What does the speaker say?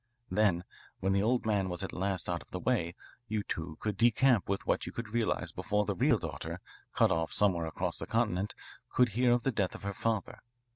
"Then, when the old man was at last out of the way, you two could decamp with what you could realise before the real daughter, cut off somewhere across the continent, could hear of the death of her father.